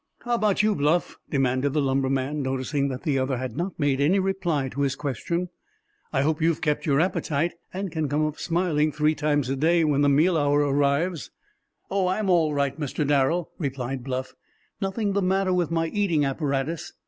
"How about you, Bluff?" demanded the lumberman, noticing that the other had not made any reply to his question. "I hope you've kept your appetite, and can come up smiling three times a day when the meal hour arrives?" "Oh, I'm all right, Mr. Darrel!" replied Bluff. "Nothing the matter with my eating apparatus."